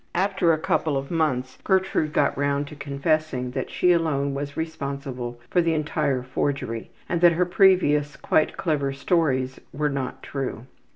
After a couple of months Gertrude got round to confessing that she alone was responsible for the entire forgery and that her previous quite clever stories were not true.